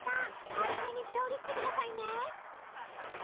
まじめに調理してくださいね！